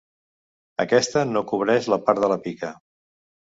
Aquesta no cobreix la part de la pica.